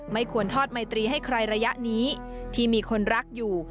ไม่ควรทอดไมตรีให้ใครระยะนี้ที่มีคนรักอยู่